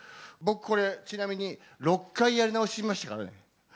僕これ、ちなみに６回やり直ししましたからね。